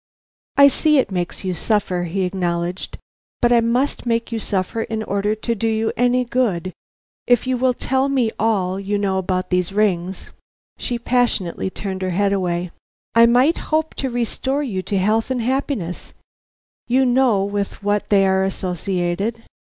"I see it makes you suffer," he acknowledged, "but I must make you suffer in order to do you any good. If you would tell me all you know about these rings " She passionately turned away her head. "I might hope to restore you to health and happiness. You know with what they are associated?"